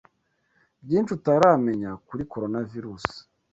Byinshi, utaramenya kuri Coronavirus